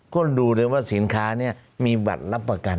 ก็ดูเลยว่าสินค้านี้มีบัตรรับประกัน